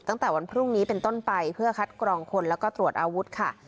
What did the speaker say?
ตั้งแต่วันพรุ่งนี้เป็นต้นไปเพื่อคัดกรองคนแล้วก็ตรวจอาวุธค่ะ